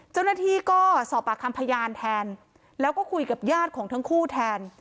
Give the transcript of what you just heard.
เจ้าหน้าที่ก็สอบปากคำพยานแทนแล้วก็คุยกับญาติของทั้งคู่แทน